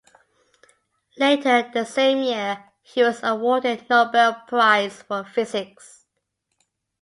Later the same year he was awarded the Nobel Prize for physics.